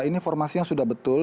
ini formasi yang sudah betul